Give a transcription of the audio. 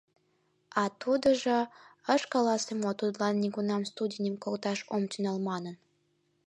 А тудыжо... ыш каласе мо, тудлан нигунам студеньым колташ ом тӱҥал манын?